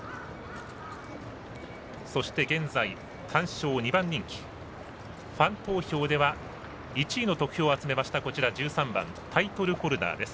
そして、現在、単勝２番人気ファン投票では１位の得票を集めました１３番、タイトルホルダーです。